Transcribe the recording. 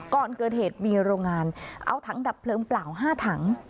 ก่อนเกิดเหตุมีโรงงานเอาถังดับเพลิงเปล่า๕ถัง